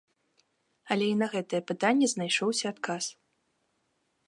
Але і на гэтае пытанне знайшоўся адказ.